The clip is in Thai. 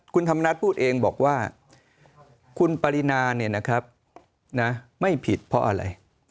คุณธรรมนัฐพูดเองบอกว่าคุณปรินาไม่ผิดเพราะอะไร